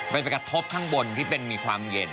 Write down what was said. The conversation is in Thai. มันไปกระทบข้างบนที่เป็นมีความเย็น